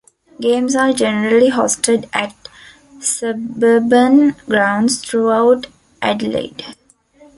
Games are generally hosted at suburban grounds throughout Adelaide.